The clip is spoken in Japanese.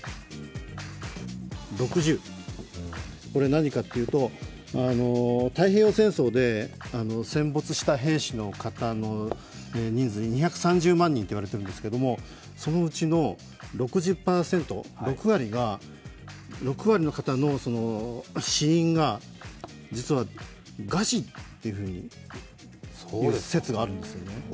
６０、これ何かっていうと、太平洋戦争で戦没した兵士の方の人数、２３０万人と言われているんですけれどもそのうちの６０％、６割の方の死因が実は餓死という説があるんですよね。